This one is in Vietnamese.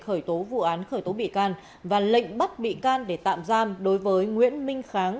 khởi tố vụ án khởi tố bị can và lệnh bắt bị can để tạm giam đối với nguyễn minh kháng